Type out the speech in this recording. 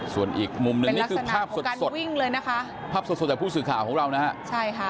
ส่วนอีกมุมนึงนี่คือภาพสดภาพสดจากผู้สื่อข่าวของเรานะคะ